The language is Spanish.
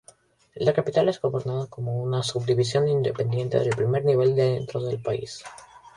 La capital es gobernada como una subdivisión independiente de primer nivel dentro del país.